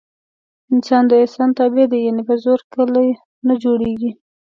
انسان د احسان تابع دی. یعنې په زور کلي نه جوړېږي.